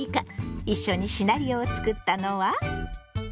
一緒にシナリオを作ったのは。